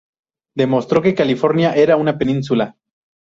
Demostró que California era una península.